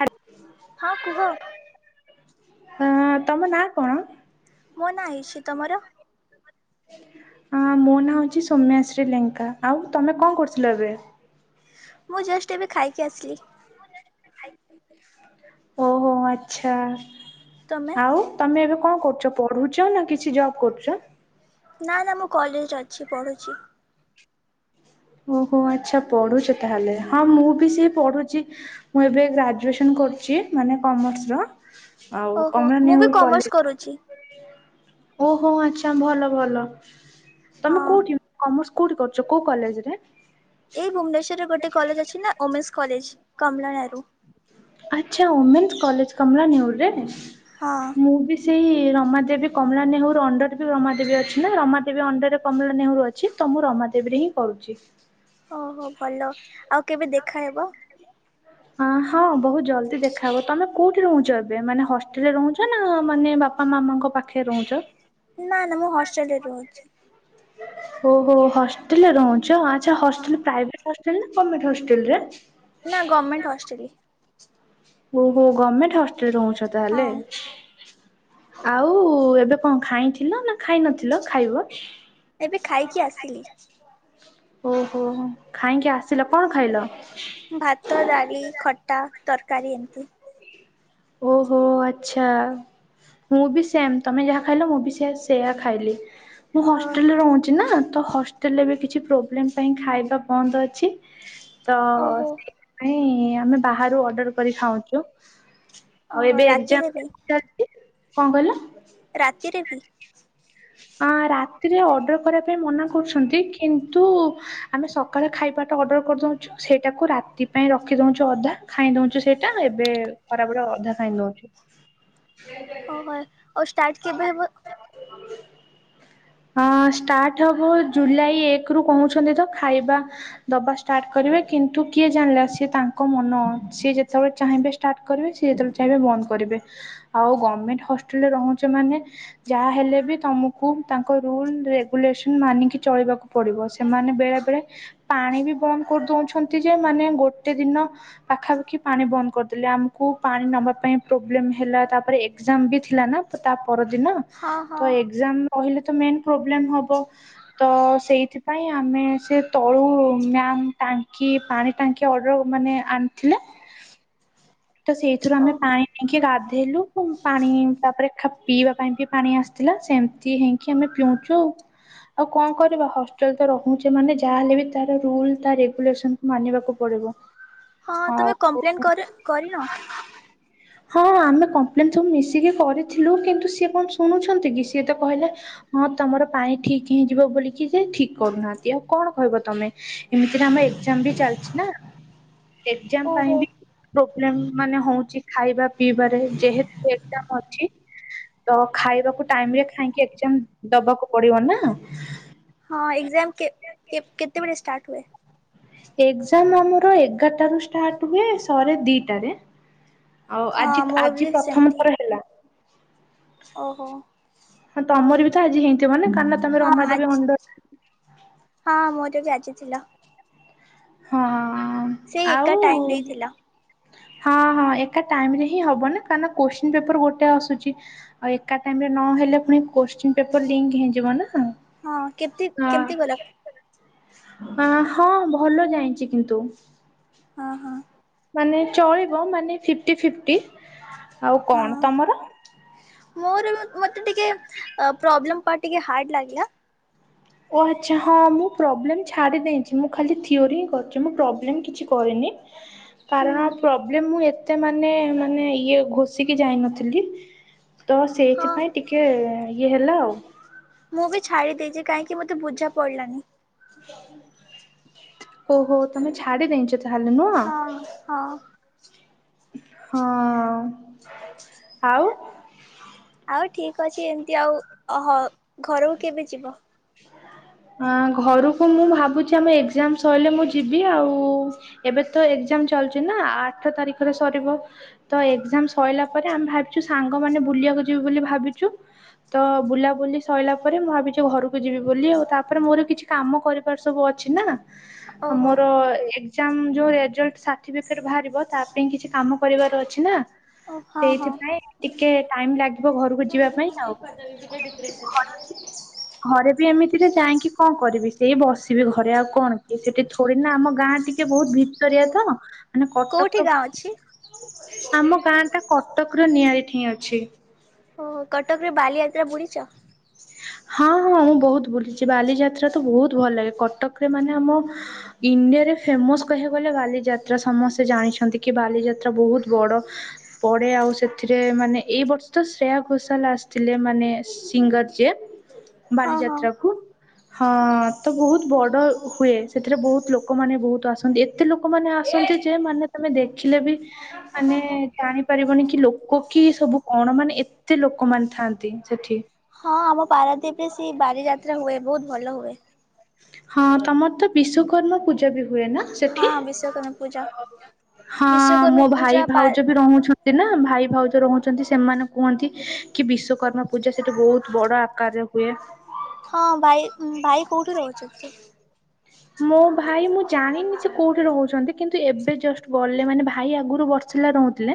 ହାଲ୍ ହଁ କୁହ? ହଁ ତମ ନାଁ କଣ? ମୋ ନାଁ ଇସି ତମର? ମୋ ନାଁ ହଉଛି ସୌମ୍ୟାଶ୍ରୀ ଲେଙ୍କା ଆଉ ତମେ କଣ କରୁଥିଲ ଏବେ? ମୁଁ ଜଷ୍ଟ ଏବେ ଖାଇକି ଆସିଲି। ଓହୋ ଆଚ୍ଛା ତମେ ଆଉ ତମେ ଏବେ କଣ କରୁଛ ପଢୁଛ ନା କିଛି ଜବ୍ କରୁଛ? ନା ନା ମୁଁ କଲେଜରେ ଅଛି ପଢୁଛି। ଓହୋ ଆଚ୍ଛା ପଢୁଛ ତାହେଲେ ହଁ ମୁଁ ବି ସେ ପଢୁଛି ମୁଁ ଏବେ ଗ୍ରାଜୁଏସନ୍ କରୁଛି ମାନେ କମର୍ସର। ଆଉ ଓହୋ କମଳା ମୁଁ ବି ନେହରୁ କମର୍ସ କଲେଜ। କରୁଛି ଓହୋ ଆଚ୍ଛା ଭଲ ଭଲ ତମେ ହଁ କୋଉଠି କମର୍ସର କୋଉଠି କରୁଛ କୋଉ କଲେଜ ରେ? ଏଇ ଭୁବନେଶ୍ଵରରେ ଗୋଟେ କଲେଜ ଅଛି ନା ଓମେନ୍ସ କଲେଜ କମଳା ନେହେରୁ। ଆଚ୍ଛା ଓମେନ୍ସ କଲେଜ କମଳା ନେଉରରେ ହଁ ମୁଁ ବି ସେ ସେଇ ରମାଦେବୀ କମଳା ନେହେରୁ ଅଣ୍ଡରରେ ବି ରମା ଦେବୀ ଅଛି, ନା ରମାଦେବୀ ଅଣ୍ଡରରେ କମଳା ନେହେରୁ ଅଛି ତ ମୁଁ ରମାଦେବୀରେ ହିଁ କରୁଚି। ଓହୋ ଭଲ ଆଉ କେବେ ଦେଖାହେବ? ଅ ହଁ ବହୁତ ଜଲଦି ଦେଖାହବ। ତମେ କୋଉଠି ରହୁଛ? ଏବେ ମାନେ ହଷ୍ଟେଲରେ ରହୁଛ ନା ମାନେ ତମେ ବାପା ମାମାଙ୍କ ପାଖେ ରହୁଁଚ? ନାଁ ନାଁ ମୁଁ ହଷ୍ଟେଲରେ ରହୁଛି। ଓହୋ। ହଷ୍ଟେଲରେ ରହୁଁଚ ଆଚ୍ଛା। ହଁ ହଷ୍ଟେଲ ପ୍ରାଇଭେଟ ହଷ୍ଟେଲ ନା ଗମେଣ୍ଟ୍ ହଷ୍ଟେଲରେ? ନା ଗଭର୍ମେଣ୍ଟ ହଷ୍ଟେଲରେ। ଓହୋ ଗମେଣ୍ଟ ହଷ୍ଟେଲରେ ରହୁଁଚ ତାହେଲେ। ହଁ ଆଉ ଏବେ କଣ ଖାଇଁଥିଲ ନା ଖାଇ ନଥିଲ, ଖାଇବ? ଏବେ ଖାଇକି ଆସିଲି। ଓହୋ ହୋ ଖାଇଁକି ଆସ ଭାତ, ଡାଲି, ଖଟା, ତରକାରୀ ଏମତି। ଓହୋ ଆଚ୍ଛା। ମୁଁ ବି ସେମ। ତମେ ଯାହା ଖାଇଲ ମୁଁ ବି ସେୟା ସେୟା ଖାଇଲି। ମୁଁ ଓ ହଷ୍ଟେଲରେ ରହୁଁଚି ନା ତ ହଷ୍ଟେଲରେ ବି କିଛି ପ୍ରୋବ୍ଲେମ ପାଇଁ ଖାଇବା ବନ୍ଦ ଅଛି ତ ଓହୋ ସେଇଥିପାଇଁ ଆମେ ବାହାରୁ ଅର୍ଡ଼ର କରି ଖାଉଁଚୁ। ଆଉ ଓହୋ ଏବେ ରାତିରେ ଏକଜାମ୍ ବି [unintelligible] କଣ କହିଲ? ରାତିରେ ବି? ଅ ରାତିରେ ଅର୍ଡର କରିବା ପାଇଁ ମନା କରୁଛନ୍ତି କିନ୍ତୁ ଆମେ ସକାଳେ ଖାଇବା ଅର୍ଡର କରିଦଉଁଚୁ ସେଇଟାକୁ ରାତି ପାଇଁ ରଖି ଦଉଁଚୁ ଅଧା, ଖାଇଁ ଦଉଁଚୁ ସେଇଟା, ଏବେ ଖରାବେଳ ଅଧା ଖାଇଁ ଦଉଁଚୁ। ଓହୋ। ଆଉ ଷ୍ଟାର୍ଟ କେବେ ହବ? ହଁ ଷ୍ଟାର୍ଟ ହବ ଜୁଲାଇ ଏକ ରୁ କହୁଁଚନ୍ତି ତ, ଖାଇବା ଦବା ଷ୍ଟାର୍ଟ କରିବା ଏବେ କିନ୍ତୁ କିଏ ଜାଣିଲା। ସିଏ ତାଙ୍କ ମନ ସିଏ ଯେତେବେଳେ ଚାହିଁବେ ଷ୍ଟାର୍ଟ କରିବେ ସିଏ ଯେତେବେଳେ ଚାହିଁବେ ବନ୍ଦ କର କରିବେ। ଆଉ ଗମେଣ୍ଟ ହଷ୍ଟେଲରେ ରହୁଁଚ ମାନେ ଯାହାହଲେ ବି ତମକୁ ତାଙ୍କ ରୁଲ ରେଗୁଲେସନ ମାନିକି ଚଳିବାକୁ ପଡିବ, ସେମାନେ ବେଳେ ବେଳେ ପାଣି ବି ବନ୍ଦ କରି ଦଉଁଛନ୍ତି ଯେ, ମାନେ ଗୋଟେ ଦିନ ପାଖାପାଖି ପାଣି ବନ୍ଦ କରିଦେଲେ ଆମକୁ ପାଣି ନ ନବା ପାଇଁ ପ୍ରୋବ୍ଲେମ ହେଲା, ତା ପରେ ଏକ୍ଜାମ ବି ଥିଲା ନା ତ ତା ପରଦିନ ହଁ ହଁ ତ ଏକ୍ଜାମ୍ କହିଲେ ତ ମେନ ପ୍ରୋବ୍ଲେମ ହବ। ତ ସେଇଥିପାଇଁ ଆମେ ସେ ତଳୁ ମ୍ୟା ଟାଙ୍କି ପାଣି ଟାଙ୍କି ଅର୍ଡର ମାନେ ଆଣିଥିଲେ ତ ସେଇଥିରୁ ଓ ଆମେ ପାଣି ନେଇକି ଗାଧ ଧେଇଲୁ ପାଣି ତାପରେ ଖାପ୍ ପିଇବା ପାଇଁ ବି ପାଣି ଆସିଥିଲା ସେମିତି ହେଇଁକି ଆମେ ପିଉଁଚୁ ଆଉ। ଆଉ କଣ କରିବା ହଷ୍ଟେଲ ତ ରହୁଁଛେ ମାନେ ଯାହାହେଲେ ବି ତାର ରୁଲ ତା ରେଗୁଲେସନକୁ ମାନିବାକୁ ପଡିବ। ହଁ ତମେ ଆଉ କମ୍ପ୍ଲେନ କର କରିନ? ହଁ ଆମେ କମ୍ପ୍ଲେନ ସବୁ ମିଶିକି କରିଥିଲୁ କିନ୍ତୁ ସିଏ କଣ ଶୁଣୁଛନ୍ତି କି ସିଏ ତ କହିଲେ ହଁ ତମର ପାଣି ଠିକ୍ ହେଇଁଯିବ ବୋଲିକି ଯେ ଠିକ୍ କରୁନାହାଁନ୍ତି ଆଉ କଣ କହିବ ତମେ। ଏମିତିରେ ଆମ ଏକ୍ଜାମ୍ ବି ଚାଲିଛି ନା। ଏକ୍ଜାମ୍ ଓହୋ ପାଇଁ ବି ପୋବ୍ଲେମ୍ ମାନେ ହଉଁଚ଼ି ଖାଇବା ପିଇବାରେ, ଯେହେତୁ ଏକ୍ଜାମ୍ ଅଛି ତ ଖାଇବାକୁ ଟାଇମରେ ଖାଇଁକି ଏକ୍ଜାମ୍ ଦବାକୁ ପଡିବ ନା। ହଁ ଏକଜାମ୍ କେ-କେ-କେତେବେଳେ ଷ୍ଟାର୍ଟ ହୁଏ? ଏକ୍ଜାମ୍ ଆମର ଏଗାରଟା ରୁ ଷ୍ଟାଟ୍ ହୁଏ ସରେ ଦିଟାରେ। ଆଉ ହଁ ଆଜିକ୍ ମୋର ଆଜି ବି ପ୍ରଥମ ସେମିତି ଥର ହେଲା। ଓହୋ। ହଁ ତମର ବି ଆଉ ତ ଆଜି ହେଇଥିବ ନା କାରଣ ତମେ ହଁ ରମାଦେବୀ ଅଣ୍ଡର ଆଜି ହଁ ମୋ [unintelligible] ଆ ଜି ଥିଲା। ହଁଁ। ସେ ଏକା ଟାଇମ୍ ଦେଇଥିଲ। ହଁ ହଁ ଏକା ଟାଇମ୍ ରେ ହିଁ ହବ ନା, କାରଣ କୋଶ୍ଚିନ୍ ପେପର ଗୋଟେ ଆସୁଚ଼ି, ଆଉ ଏକା ଟାଇମ୍ ନ ହେଲେ ପୁଣି କୋଶ୍ଚିନ୍ ପେପର୍ ଲିଙ୍କ୍ ହେଇଯିବ ନା ହଁ କେମତି ଆ। କେମିତି ଗଲା ଆଁ ହଁ ଭଲ ଯାଇଚ଼ି କିନ୍ତୁ। ହଁ ହଁ। ମାନେ ଚଳିବ ମାନେ ଫିଫ୍ଟି ଫିଫ୍ଟି, ଆଉ ହଁ କଣ ତମର? ମୋର ମତେ ଟିକେ ପ୍ରୋବ୍ଲେମ୍ ପା ଟିକେ ହାର୍ଡ ଲାଗିଲା। ଓ ଆଚ୍ଛା ହଁ ମୁଁ ପ୍ରୋବ୍ଲେମ ଛାଡି ଦେଇଛି ମୁଁ ଖାଲି ଥିଓରି ହିଁ କରିଛି ମୁଁ ପ୍ରୋବ୍ଲେମ କିଛି କରେନି ହୁଁ କାରଣ ପ୍ରୋବ୍ଲେମ ମୁଁ ଏତେ ମାନେ ମାନେ ଇଏ ଘୋଷିକି ଯାଇନ ଥିଲି, ତ ହଁ ସେଇଥିପାଇଁ ଟିକେ ଇଏ ହେଲା ଆଉ। କାଇଁକି ମତେ ବୁଝା ପଡଲାନି। ଓହୋ ତମେ ଛାଡି ଦେଇଛ ତାହେଲେ ନୁହଁ? ହଁ ହଁ ହଁ ଆଉ। ହଉ ଠିକ ଅଛି ଏମତି ଆଉ ଅହ ଘରକୁ କେବେ ଯିବ? ଘରକୁ ମୁଁ ଭାବୁଛି ଆମ ଏକ୍ଜାମ୍ ସରିଲେ ମୁଁ ଯିବି ଆଉ ଏବେ ତ ଏକ୍ ଏକ୍ଜାମ୍ ଚାଲଚ଼ି ନା ଆ ଆଠ ତାରିଖ ରେ ସରିବ ତ ଏକ୍ଜାମ୍ ସଇଲା ପରେ ଆମେ ଭାବିଛୁ ସାଙ୍ଗ ମାନେ ବୁ ବୁଲିୟାକୁ ଯିବି ବୋଲି ଭାବିଛୁ ତ ବୁଲାବୁଲି ସଇଲା ପରେ ମୁଁ ଭାବିଛି ଘରକୁ ଯିବି ବୋଲି ଆଉ। ତା ତାପରେ ମୋର କିଛି କାମ କରିବାର ସବୁ ଅଛି ନା ଓହୋ ମୋର ଏକ୍ଜାମ୍ ଯଉ ରେଜଲ୍ଟ ସାର୍ଟିଫିକେଟ୍ ବାହାରିବ ତା ପାଇଁ କିଛି କାମ କରିବାର ଅଛି ନା। ଓ ହଁ ହଁ ସେଇଥିପାଇଁ ଟିକେ ଟାଇମ ଲାଗ୍ ଘରକୁ ଯିବା ପାଇଁ ଆଉ। ଘରେ ଘରେ ବି ଏମିତିରେ ଯାଇଁ କଁ କରିବି ସେଇ ବସିବି ଘରେ ଆଉ କଣ କି ସେଠି ଥୋଡି ନା ଆମ ଗାଁ ଟିକେ ବହୁତ ଭିତରିଆ ତ ମାନେ କୋଉଠି କଟକର ଗାଁ ଅଛି? ଆମ ଗାଁ ଟା କଟକ ର ନିଆଳି ଠିଁ ଅଛି। ଓ ହୋ କଟକ ରେ ବାଲିଯାତ୍ରା ବୁଡିଚ଼? [inaudible] ହଁ ହଁ ମୁଁ ବହୁତ ବୁଲିଛି ବାଲିଯାତ୍ରା ତ ବହୁତ ଭଲ ଲାଗେ କଟକରେ ମାନେ ଆମ ଇଣ୍ଡିଆରେ ଫେମସ କହିବାକୁ ଗଲେ ବାଲି ଯାତ୍ରା ସମସ୍ତେ ଜାଣିଛନ୍ତି କି ବାଲିଯାତ୍ରା ବୋହୁତ ବଡ ପଡେ। ଆଉ ସେଥିରେ ମାନେ ଏଇ ବର୍ଷ ତ ଶ୍ରେୟା ଘୋଷାଲ ଆସିଥିଲେ ମାନେ ସିଙ୍ଗର ଯେ ହଁ ହଁ ବାଲିଯାତ୍ରା କୁ। ହଁ ତ ବହୁତ ବଡ ହୁଏ ସେଥିରେ ବହୁତ ଲୋକମାନେ ବହୁତ ଆସନ୍ତି ଏତେ ଲୋକମାନେ ଆ ଆସନ୍ତି ଯେ ମାନେ ତମେ ଦେଖିଲେ ବି ମାନେ ଜାଣିପାରିବନି କି ଲୋକ କି ସବୁ କଁ? କଣ ମାନେ ଏତେ ଲୋକମାନୋନ ଥାଆନ୍ତି ସେଠି। ହଁ ଆମ ପାରାଦୀପ୍ ରେ ସେ ବାଲିଯାତ୍ରା ହୁଏ ବହୁତ ଭଲ ହୁଏ। ହଁ ତମର ତ ବିଶ୍ୱକର୍ମା ପୂଜା ବି ହୁଏ ନା? ସେଠି? ହଁ ବିଶ୍ଵକର୍ମା ପୂଜା। ହଁ ବିଶ୍ଵକର୍ମା ମୋ ଭାଇ ପୂଜା ପା ଭାଉଜ ବି ରହୁଛନ୍ତି ନା ଭାଇ ଭାଉଜ ରହୁଛନ୍ତି ସେମାନେ କୁହନ୍ତି କି ବିଶ୍ଵକର୍ମା ପୂଜା ସେଠା ବହୁତ ବଡ ଆକାରରେ ହୁଏ। ହଁ ଭାଇ ଭାଇ କୋଉଠି ରହୁଛନ୍ତି? ମୋ ଭାଇ ମୁଁ ଜାଣିନି ସେ କୋଉଠି ରହୁଛନ୍ତି କିନ୍ତୁ ଏବେ ଜଷ୍ଟ ଗଲେ ମାନେ ଭାଇ ଆଗରୁ ବରସି ର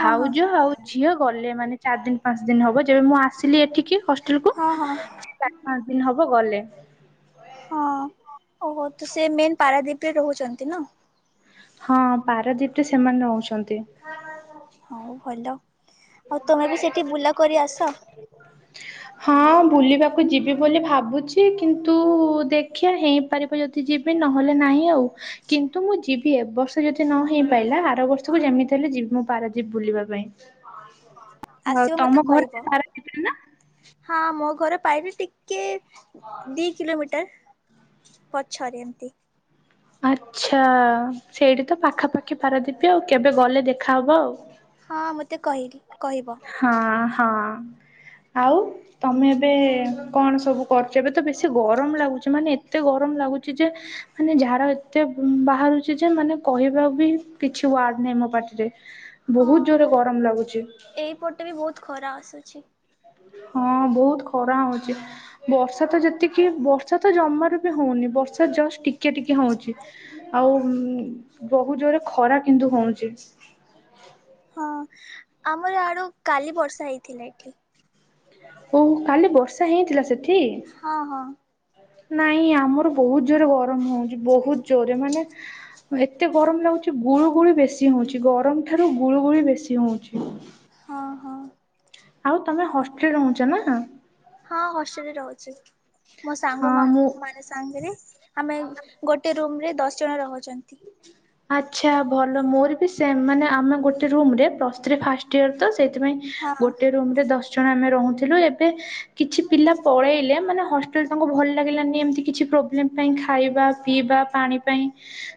ହଁ ହଁ ଆଉ ଝିଅ ଗଲେ ମାନେ ଚାରି ଦିନ ପାଞ୍ଚ ଦିନ ହବ ଯେବେ ମୁଁ ଆସିଲି ଏ ଠିକ ହଷ୍ଟେଲ କୁ ହଁ ହଁ ଚାରି ପାଞ୍ଚ ଦିନ ହବ ଗଲେ। ହଁ। ଓହ ତ ସେ ମେନ୍ ପାରାଦଵୀରେ ରହୁଛନ୍ତି ନା? ହଁ ପାରାଦୀପ ରେ ସେମାନେ ରହୁଛନ୍ତି। ହଉ ଭଲ ଆଉ ତମେ ବି ସେଠି ବୁଲା କରି ଆସ। ହଁ ବୁଲିବାକୁ ଯିବି ବୋଲି ଭାବୁଛି କିନ୍ତୁ ଦେଖିବା ହେଇପାରିବ ଯଦି ଯିବି ନହେଲେ ନାଇ। ନାଇ ଆଉ କିନ୍ତୁ ମୁଁ ଯିବି ଏ ବର୍ଷ ଯଦି ନ ହେଇ ପାଇଲା ଆର ବର୍ଷକୁ ଯେମିତି ହେଲେ ଯିବି ମୁଁ ପାର ଯିବି ବୁଲିବା ପାଇଁ। ଆଉ ଆସିବ ତମ ମତେ ଘର କହିବ ପାରାଦୀପରେ ନା? ହଁ ମୋ ଘରେ ପାଇବି ଟିକେ ଦି କିଲୋମିଟର ପଛରେ ଏମତି। ଆଛା। ସେଇଠି ତ ପାଖାପାଖି ପାରାଦୀପୀ ଆଉ କେବେ ଗଲେ ଦେଖାହବ ଆଉ। ହଁ ମୋତେ କହିଲି କହିବ ହଁ, ହଁ, ଆଉ ତମେ ଏବେ କଣ ସବୁ କରୁଛ? ଏବେ ତ ବେଶୀ ଗରମ ଲାଗୁଛି ମାନେ ଏତେ ଗରମ ଲାଗୁଛି ଯେ -ମାନେ ଝାଡ଼ ଏତେ ବାହାରୁଛି ଯେ ମାନେ କହିବାକୁ ବି କିଛି ଡ ନାହିଁ ମୋ ପାଟିରେ, ବହୁତ ଜୋରେ ଗରମ ଲାଗୁଛି ଏଇପଟରେ ବହୁତ ଖରା ଆସୁଛି। ହଁ ବହୁତ ଖରା ହଉଛି। ବର୍ଷା ତ ଯେତିକି ବର୍ଷା ତ ଜମାରୁ ବି ହଉନି, ବର୍ଷା ଜଷ୍ଟ ଟିକେ ଟିକେ ହଉଛି ଆଉ ବହୁତ ଜୋରେ ଖରା କିନ୍ତୁ ହଉଛି। ହଁ ଆମର ଆଡୁ କାଲି ବର୍ଷା ହେଇଥିଲା ଏଠି। ଓହୋ କାଲି ବର୍ଷା ହେଇଥିଲା, ସେ ହଁ ହଁ। ନାଇଁ ଆମର ବହୁତ ଜୋରେ ଗରମ ହେଉଛି, ବହୁତ ଜୋରରେ ମାନେ ଏତେ ଗରମ ଲାଗୁଛି, ଗୁଳୁ ଗୁଳି ବେଶି ହଉଛି, ଗରମ ଠାରୁ ଗୁଳୁ ଗୁଳି ବେଶୀ ଉଛି ହଁ ହଁ ଆଉ ତମେ ହଷ୍ଟେଲ ରହୁଛ ନା? ହଁ ହଷ୍ଟେଲରେ ରହୁଛି, ମୋ ସାଙ୍ଗ ହଁ ମୁଁ ମାନ ସାଙ୍ଗରେ ଆମେ ଗୋଟେ ରୁମ ରେ ଦଶ ଜଣ ରହୁଛନ୍ତି। ଆଛା, ଭଲ ମୋର ବି ସେମ୍, ମାନେ ଆମେ ଗୋଟେ ରମ ଫ ତ ସେଇଥିପାଇଁ ହଁ ଗୋଟେ ରୁମରେ ଦଶ ଜଣ ଆମେ ରହୁଥିଲୁ ଏବେ କିଛି ପିଲା ପଳେଇଲେ, ମାନେ ହଷ୍ଟେଲ ତାଙ୍କୁ ଭଲ ଲାଗିଲାନି ଏମିତି କିଛି ପ୍ରୋବ୍ଲେମ ପାଇଁ ଖାଇବା, ପିଇବା, ପାଣି ପାଇଁ,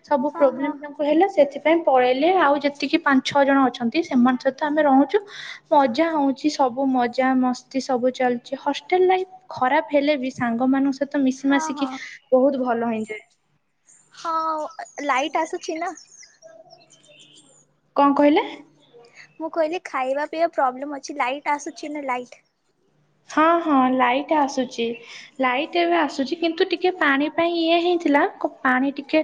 ସବୁ ହଁ ହଁ। ପ୍ରୋବ୍ଲେମ ତାଙ୍କୁ ହେଲେ ସେ ସେଥିପାଇଁ ପଳେଇଲେ ଆଉ ଯେତିକି ପାଞ୍ଚ ଛଅ ଜଣ ଅଛନ୍ତି। ସେମାନଙ୍କ ସହିତ ଆମେ ରହୁଛୁ, ମଜା ହଉଛି ସବୁ ମଜା ମସ୍ତି ସବୁ ଚାଲିଚ ହ ଲ, ଖରାପ ହେଲେ ବି ସାଙ୍ଗ ମାନଙ୍କ ସହିତ ମିଶି ହଁ ମାସିକି ହଁ। ବହୁତ ଭଲ ହେଇଯାଏ। ହଁ ଲାଇଟ୍ ଆସୁଛି ନା। କଣ କହିଲେ? ମୁଁ କହିଲି ଖାଇବା ପିଇବା ପ୍ରୋବ୍ଲେମ୍ ଅଛି, ଲାଇଟ ଆସୁଛି ନା ଲାଇଟ? ହଁ ହଁ ଲାଇଟ ଆସୁଛି, ଲାଇଟ୍ ଏବେ ଆସୁଛି କିନ୍ତୁ ଟିକେ ପାଣି ପାଇଁ ଇଏ ହିଁ ଥିଲା, ପାଣି ଟିକେ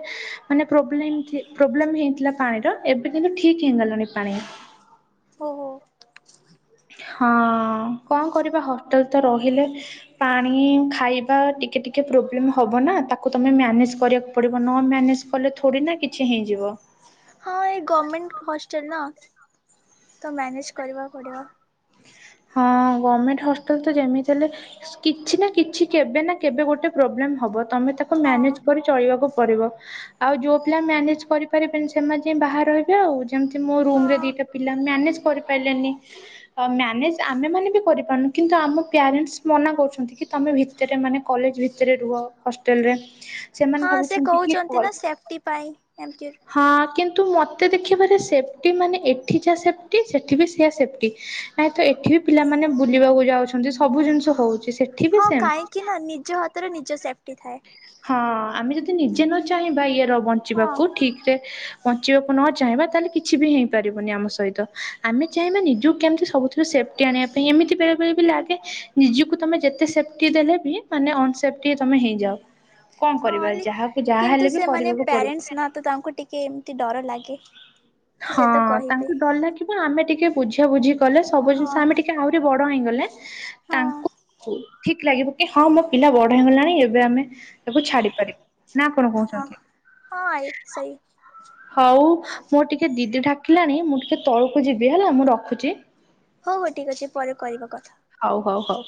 ମାନେ ପ୍ରବ୍ଲେ ପ୍ରୋବ୍ଲେମ ହେଇଥିଲା ପାଣିର ଏବେ କିନ୍ତୁ ଠିକ ହେ କଲ ନୁନି ପା ନା [unintelligible] ଓହୋ। ହ [unintelligible] ହଁ କଣ କରିବା ହୋଟେଲ ତ ରହିଲେ, ପାଣି ଖାଇବା ଟିକେ ଟିକେ ବ, ତାକୁ ତମେ ମାନେଜ କରିବାକୁ ପଡ଼ିବ, ନ ମ୍ୟାନେଜ କଲେ ଥୋଡ଼ି ନା କିଛି ହେଇଯିବ। ହଁ ଏଇ ଗଭର୍ମେଣ୍ଟ ହଷ୍ଟେଲ ନା, ତ ମ୍ୟାନେଜ କରିବାକୁ ପଡ଼ିବ। ହ [unintelligible] ହଁ ଗଭର୍ଣମେଣ୍ଟ ହଷ୍ଟେଲ୍ ତ ଯେମିତି ହେଲେ, କିଛି ନା କିଛି, କେବେ ନା କେବେ, ଗୋଟେ ପ୍ରୋବ୍ଲେମ୍ ହେବ ତମେ ତାକୁ ହଁ। ମ୍ୟାନେଜ କରି ଚଳିବାକୁ ଆଉ ଯୋଉ ପିଲା ମାନେ କରିପାରିବେନି, ସେମାନେ ଯାଇ ବାହାରେ ରହିବେ ଆଉ ଯେମିତି ମୋ ରୁମ ରେ ହଁ ଦିଟା ପିଲା ମ୍ୟାନେଜ କରି ପାରିଲେନି ମ୍ୟାନେଜ ଆମେ ମାନେ ବି କରିପାରୁନୁ କିନ୍ତୁ ଆମ ପ୍ୟାରେଣ୍ଟସ୍ ମନା କରୁଛନ୍ତି କି, ତମେ ଭିତରେ ମାନେ କଲେଜ ଭିତରେ ରେ ରୁହ ହଷ୍ଟେଲରେ ସେମାନେ ହଁ ସେ ଭାବୁଛନ୍ତି କି କହୁଛନ୍ତି ଅଲ୍, ନା ସେଫ୍ଟି ପାଇଁ ଏମତି ହଁ କିନ୍ତୁ ନ୍ତୁ, ମତେ ଦେଖିବାରେ ସେଫ୍ଟି ମାନେ, ଏଠି ଯାହା ସେଫ୍ଟି ସେଠି ବି ସେଆ ସେଫ୍ଟି। ନାଇ ତ ଏଠି ବି ପିଲାମାନେ ବୁଲିବାକୁ ଯାଉଛନ୍ତି, ସବୁ ଜିନିଷ ହଉଛି। ସେଠି ବି ହଁ ସେମ୍। କାହିଁକି ନା, ନିଜ ହାତରେ ନିଜ ସେଫଟି ଥାଏ। ହଁ ଆମେ ଯଦି ନିଜେ ନ ଚାହିଁବା ଇଏର ହଁ ବଞ୍ଚିବାକୁ, ଠିକ ରେ ବଞ୍ଚିବାକୁ ନ ଚାହିଁବା, ତାହେଲେ କିଛି ବି ହେଇପାରିବନି ଆମ ସହିତ, ଆମେ ଚାହିଁବା ନିଜକୁ କେମିତି ସବୁଥି ଜ ଯେ ଦେଲେ [unintelligible] ତମେ ହେଇଯାଅ। କଣ କରିବା ହଁ ଯାହାକୁ ଯାହା ହେଲେ କିନ୍ତୁ ବି ସେମାନେ କରିବାକୁ ପଡିବ। ପ୍ୟାରେଣ୍ଟସ ନା ତ ତାଙ୍କୁ ଟିକେ ଏମିତି ଡର ଲାଗେ ତ ସେ ହଁ ତ କହିବେ। ତାଙ୍କୁ ଡର ଲାଗିବ ଆମେ ଟିକେ ବୁଝ ବୁଝି ଗଲେ ସବୁ ହଁ ଜିନିଷ ଆମେ ଟିକେ ଆହୁରି ବଡ ହେଇଗଲେ ହଁ ତାଙ୍କୁ ଠିକ ଲାଗିବ କି ହଁ ମୋ ପିଲା ବଢ଼ା ହେ ହୋଇଗଲାଣି ଏବେ ଆମେ ତାକୁ ଛାଡି ପାରିବି ନା କଣ ହଁ କହୁଛନ୍ତି। ହଁ ଆଇ ସେଇ ହଉ ମୋ ଟିକେ ଦିଦି ଢାକିଲାଣି ମୁଁ ଟିକେ ତଳକୁ ଯିବି ହେଲା ମୁଁ ରଖୁଛି। ହଉ ହଉ ଠିକ୍ ଅଛି ପରେ କରିବା କଥା ହଉ ହଉ ହଉ।